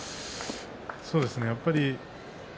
そうですね。